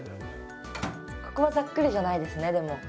ここはざっくりじゃないですねでも。